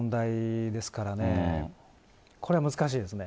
これは難しいですね。